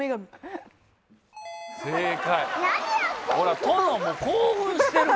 正解。